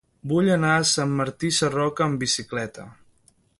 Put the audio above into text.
Vull anar a Sant Martí Sarroca amb bicicleta.